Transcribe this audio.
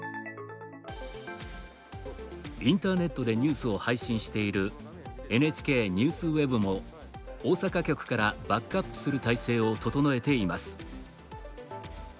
インターネットでニュースを配信している「ＮＨＫＮＥＷＳＷＥＢ」も大阪局からバックアップする体制を整えています。